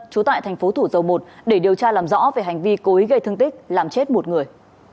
trú tại thành phố thủ dầu một để điều tra làm rõ về hành vi cố ý gây thương tích làm chết một người